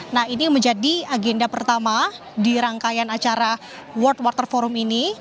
nah ini menjadi agenda pertama di rangkaian acara world water forum ini